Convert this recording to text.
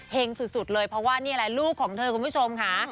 เฮงสุดเลยเพราะว่านี่อะไรลูกของคุณผู้ชมค๊า